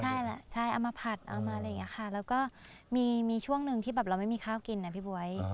ใช่แหละใช่เอามาผัดเอามาอะไรอย่างนี้ค่ะแล้วก็มีช่วงหนึ่งที่แบบเราไม่มีข้าวกินนะพี่บ๊วย